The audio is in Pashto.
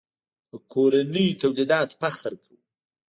په کورنیو تولیداتو فخر کوو.